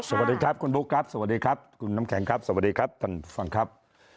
สวัสดีครับคุณบุ๊คครับสวัสดีครับคุณน้ำแข็งครับสวัสดีครับท่านฟังครับ